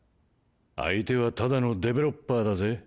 相手はただのデベロッパーだぜ。